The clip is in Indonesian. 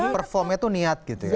performnya itu niat gitu ya